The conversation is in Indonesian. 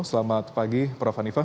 selamat pagi prof hanifa